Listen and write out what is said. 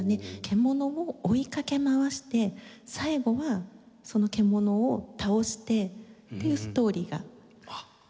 獣を追いかけ回して最後はその獣を倒してっていうストーリーがあります。